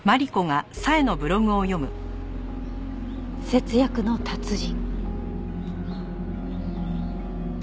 節約の達人。